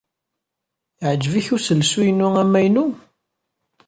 Yeɛjeb-ik uselsu-inu amaynu?